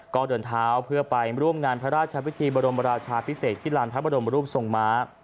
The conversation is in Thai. ก็เดินเท้าเพื่อไปร่วมงานพระราชพิธีบรมราชาพิเศษที่ลานพระบรมรูปทรงม้า